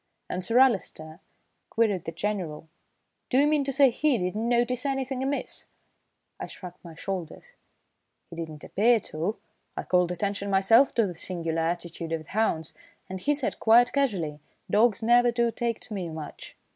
"And Sir Alister?" queried the General. "Do you mean to say he did not notice anything amiss?" I shrugged my shoulders. "He didn't appear to. I called attention myself to the singular attitude of the hounds, and he said quite casually: 'Dogs never do take to me much.'"